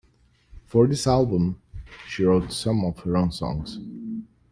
For this album she wrote some of her own songs.